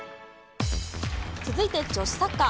続いて女子サッカー。